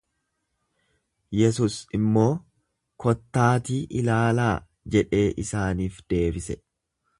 Yesus immoo, Kottaatii ilaalaa jedhee isaaniif deebise.